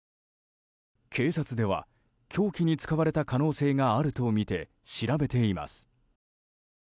警察では凶器に使われた可能性があるとみて調べています。